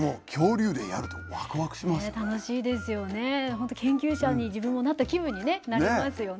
本当研究者に自分もなった気分にねなりますよね。